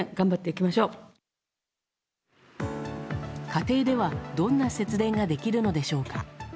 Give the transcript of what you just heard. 家庭では、どんな節電ができるのでしょうか。